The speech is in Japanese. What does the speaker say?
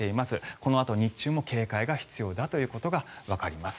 このあと日中も警戒が必要だということがわかります。